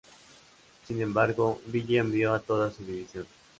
Sin embargo, Villa envió a toda su División.